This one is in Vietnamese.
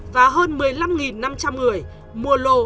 và hơn một mươi năm năm trăm linh người mua lô